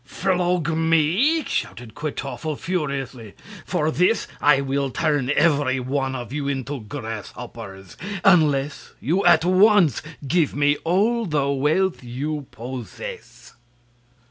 Flog me!" shouted Kwytoffle, furiously. "For this I will turn every one of you into grasshoppers unless you at once give me all the wealth you possess!"